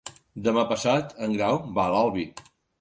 Demà passat en Grau va a l'Albi.